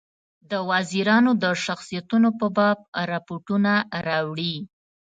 د وزیرانو د شخصیتونو په باب رپوټونه راوړي.